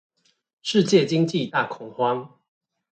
世界經濟大恐慌